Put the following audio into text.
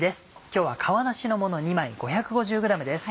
今日は皮なしのもの２枚５５０ｇです。